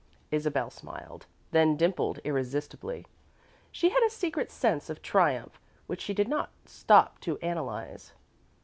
Isabel smiled, then dimpled irresistibly. She had a secret sense of triumph which she did not stop to analyse.